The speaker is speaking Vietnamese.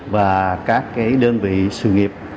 và các cái đơn vị sự nghiệp